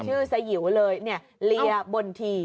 สยิวเลยเนี่ยเลียบนที